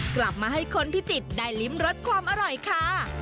กลับมาให้คนพิจิตรได้ลิ้มรสความอร่อยค่ะ